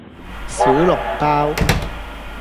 小籠包